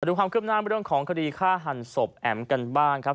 ดูความคืบหน้าเรื่องของคดีฆ่าหันศพแอ๋มกันบ้างครับ